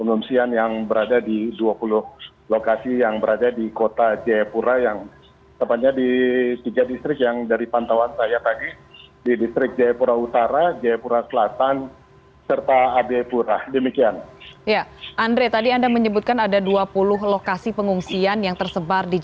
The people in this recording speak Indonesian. untuk para pengusaha